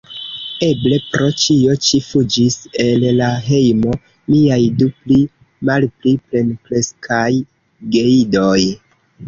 Eble pro ĉio ĉi fuĝis el la hejmo miaj du pli-malpli plenkreskaj geidoj.